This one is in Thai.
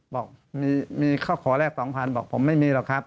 บอกมีเขาขอแรก๒๐๐๐บอกผมไม่มีหรอกครับ